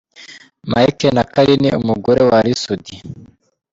Mike na Carine ,umugore wa Ally Soudy.